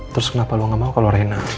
terus kenapa lo gak mau kalau reina